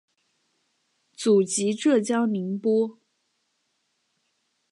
祖籍浙江宁波。